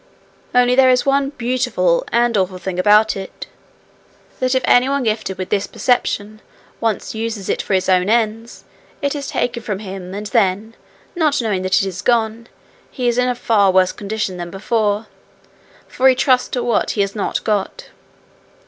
Only there is one beautiful and awful thing about it, that if any one gifted with this perception once uses it for his own ends, it is taken from him, and then, not knowing that it is gone, he is in a far worse condition than before, for he trusts to what he has not got.'